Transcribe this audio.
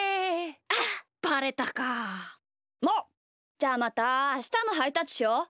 じゃあまたあしたもハイタッチしよう。